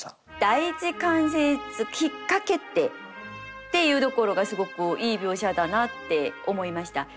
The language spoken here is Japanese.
「第一関節引っ掛けて」っていうところがすごくいい描写だなって思いました。